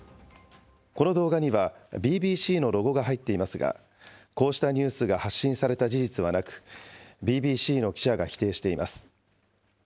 この動画には、ＢＢＣのロゴが入っていますが、こうしたニュースが発信された事実はなく、ＢＢＣの記者が否定しています。